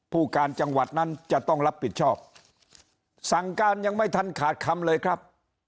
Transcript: ผู้การจังหวัดนั้นจะต้องรับผิดชอบสั่งการยังไม่ทันขาดคำเลยครับ